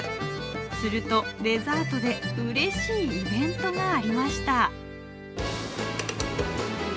すると、デザートでうれしいイベントがありました。